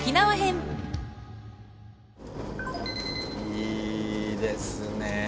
いいですねえ！